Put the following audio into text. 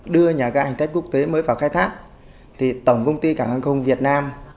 đưa nhà ga hành khách quốc tế mới vào khai thác thì tổng công ty cảng hàng không việt nam